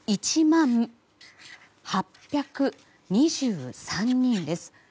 １万８２３人です。